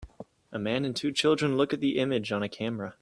A man and two children look at the image on a camera